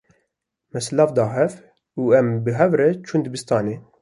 Me silav da hev û em bi hev re çûn dibistanê.